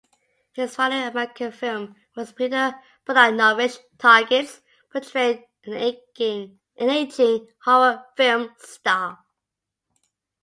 His final American film was Peter Bogdanovich's "Targets", portraying an aging horror film star.